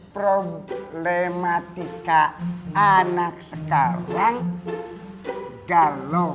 problematika anak sekarang galau